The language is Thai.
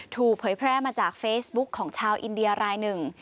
เผยแพร่มาจากเฟซบุ๊คของชาวอินเดียรายหนึ่ง